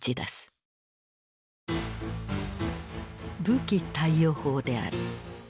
武器貸与法である。